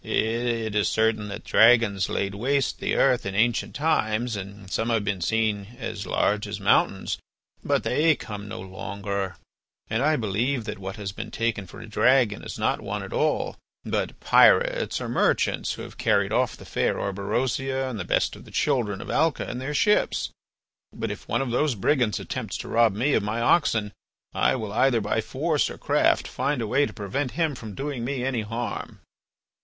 "It is certain that dragons laid waste the earth in ancient times and some have been seen as large as mountains. But they come no longer, and I believe that what has been taken for a dragon is not one at all, but pirates or merchants who have carried off the fair Orberosia and the best of the children of Alca in their ships. But if one of those brigands attempts to rob me of my oxen, I will either by force or craft find a way to prevent him from doing me any harm."